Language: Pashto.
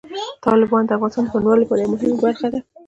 تالابونه د افغانستان د بڼوالۍ یوه مهمه برخه ده.